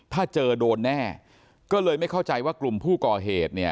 ถ้าเจอโดนแน่ก็เลยไม่เข้าใจว่ากลุ่มผู้ก่อเหตุเนี่ย